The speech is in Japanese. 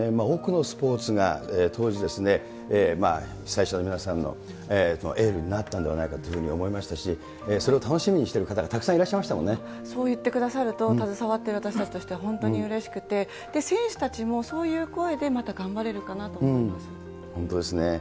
多くのスポーツが当時、被災者の皆さんのエールになったんではないかというふうに思いましたし、それを楽しみにしてる方がたくさんいらっしゃいましたもそう言ってくださると、携わっている私たちとしては本当にうれしくて、選手たちもそういう声でまた頑張れるかなと思いますね。